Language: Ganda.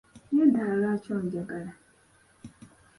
Naye ddala lwaki onjagala?